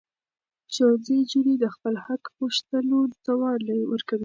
ښوونځي نجونې د خپل حق غوښتلو توان ورکوي.